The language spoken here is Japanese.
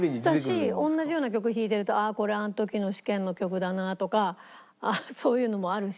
だし同じような曲弾いてるとああこれあの時の試験の曲だなとかそういうのもあるし。